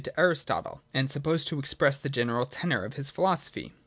15 Aristotle, and supposed to express the general tenor of his philosophy.